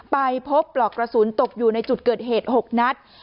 ไปพบปลอกกระสุนตกอยู่ในจุดเกิดเหตุ๖นัด